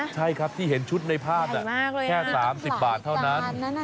ใช่ครับที่เห็นชุดในภาพแค่๓๐บาทเท่านั้น